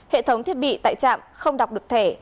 hệ thống thiết bị tại trạm không đọc được thẻ